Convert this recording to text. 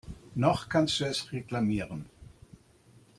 Noch kannst du es reklamieren.